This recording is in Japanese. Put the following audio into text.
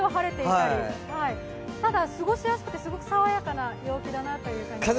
ただ、過ごしやすくて、すごく爽やかな陽気だなという感じです。